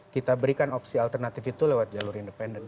kita berikan opsi alternatif itu lewat jalur independen